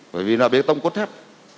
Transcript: bởi vì nó bê tông có thép